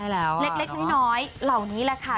แล้วเล็กน้อยเหล่านี้แหละค่ะ